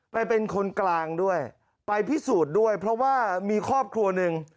เป็นคนกลางด้วยไปพิสูจน์ด้วยเพราะว่ามีครอบครัวหนึ่ง